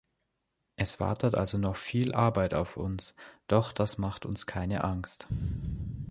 Es wartet also noch viel Arbeit auf uns, doch das macht uns keine Angst.